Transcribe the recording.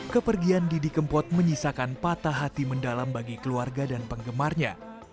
kepergian didi kempot menyisakan patah hati mendalam bagi keluarga dan penggemarnya